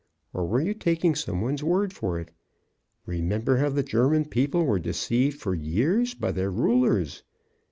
Or were you taking some one's word for it? Remember how the German people were deceived for years by their rulers!